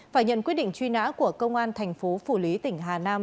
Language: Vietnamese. phải nhận quyết định truy nã của công an thành phố phủ lý tỉnh hà nam